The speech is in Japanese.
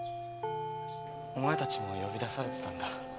お前たちも呼び出されてたんだ。